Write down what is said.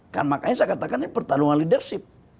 kan makanya saya katakan ini pertarungan leadership